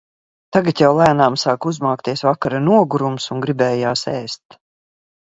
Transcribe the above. Tagad jau lēnām sāka uzmākties vakara nogurums un gribējās ēst.